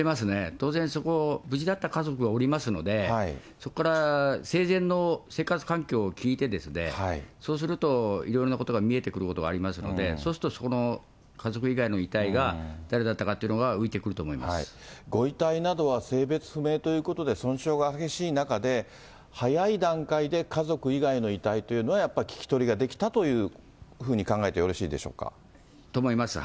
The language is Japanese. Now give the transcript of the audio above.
当然そこ、無事だった家族がおりますので、そこから生前の生活環境を聞いて、そうするといろんなことが見えてくることがありますので、そうすると、そこの家族以外の遺体が誰だったかっていうのが浮いてくると思いご遺体などは性別不明ということで、損傷が激しい中で、早い段階で家族以外の遺体というのは、やっぱり聞き取りができたというふうに考えてよろしいでしょうか。